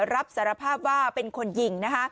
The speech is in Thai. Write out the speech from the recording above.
รับสารภาพว่าเป็นคนยิงนะคะ